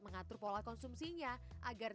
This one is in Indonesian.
mengatur pola konsumsinya agar